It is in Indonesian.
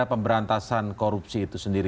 pemberantasan korupsi itu sendiri